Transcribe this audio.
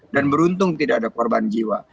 dan beruntung tidak ada korban jiwa